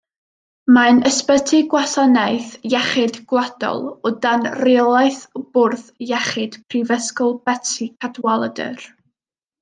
Mae'n ysbyty Gwasanaeth Iechyd Gwladol o dan reolaeth Bwrdd Iechyd Prifysgol Betsi Cadwaladr.